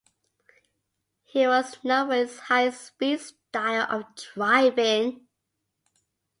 He was known for his high speed style of driving.